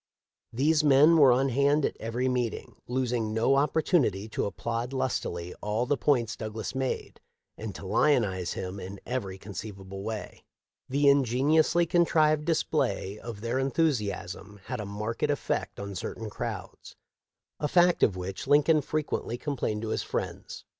These men were on hand at every meeting, losing no opportunity to applaud lustily all the points Douglas made and to lionize him in every conceivable way. The ingen 412 THE LIFE OF LINCOLN. iously contrived display of their enthusiasm had a marked effect on certain crowds — a fact of which Lincoln frequently complained to his friends.